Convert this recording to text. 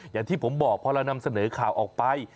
อย่างที่ผมบอกพอเรานำเสนอข่าวออกไป